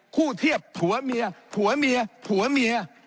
เทียบผัวเมียผัวเมียผัวเมีย